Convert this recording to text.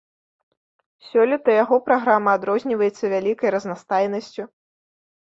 Сёлета яго праграма адрозніваецца вялікай разнастайнасцю.